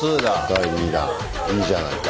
第２弾いいじゃないか。